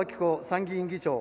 参議院議長